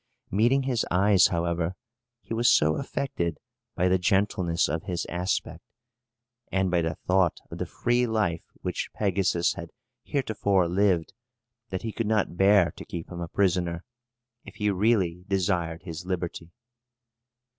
Meeting his eyes, however, he was so affected by the gentleness of his aspect, and by the thought of the free life which Pegasus had heretofore lived, that he could not bear to keep him a prisoner, if he really desired his liberty.